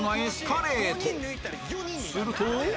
すると